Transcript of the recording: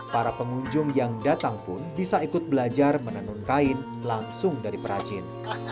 para pengunjung yang datang pun bisa ikut belajar menenun kain langsung dari perajin